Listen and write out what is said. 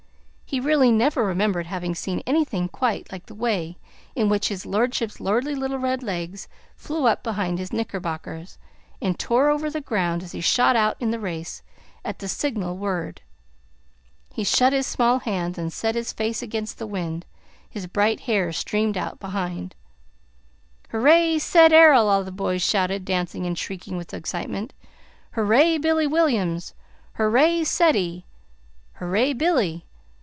He really never remembered having seen anything quite like the way in which his lordship's lordly little red legs flew up behind his knickerbockers and tore over the ground as he shot out in the race at the signal word. He shut his small hands and set his face against the wind; his bright hair streamed out behind. "Hooray, Ced Errol!" all the boys shouted, dancing and shrieking with excitement. "Hooray, Billy Williams! Hooray, Ceddie! Hooray, Billy!